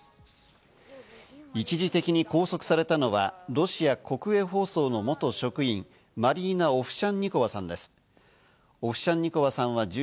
一時的に拘束されたのはロシア国営放送の元職員、マリーナ・オフシャンニコワさんです。